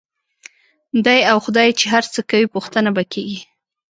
دی او خدای یې چې هر څه کوي، پوښتنه به کېږي.